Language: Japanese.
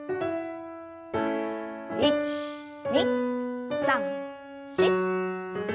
１２３４。